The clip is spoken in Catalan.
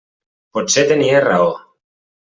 Potser tenia raó.